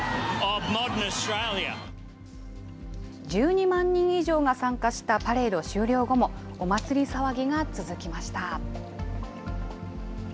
１２万人以上が参加したパレード終了後も、お祭り騒ぎが続きました。